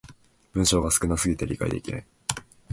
文章が少な過ぎて理解できない